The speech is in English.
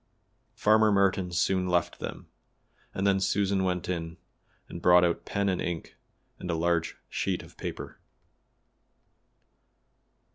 Farmer Merton soon left them, and then Susan went in and brought out pen and ink and a large sheet of paper.